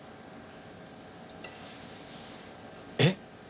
えっ？